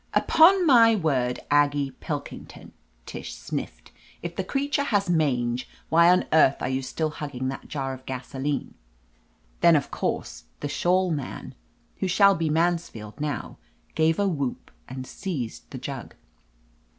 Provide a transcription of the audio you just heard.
"Upon my word, Aggie Pilkington/' Tish sniffed, "if the creature has mange, why on earth are you still hugging that jar of gaso ' line?" Then, of course, the Shawl Man, who shall be Mansfield now, gave a whoop and seized the jug.